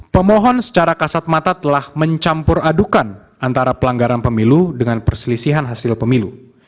pemohon secara kasat mata telah mencampur adukan antara pelanggaran pemilu dengan perselisihan hasil pemilu